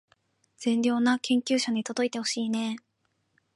善良な研究者に届いてほしいねー